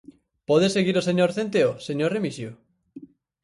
¿Pode seguir o señor Centeo, señor Remixio?